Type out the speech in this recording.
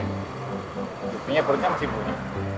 hukumnya perutnya masih bunyi